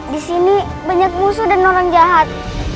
disini banyak musuh dan orang jahat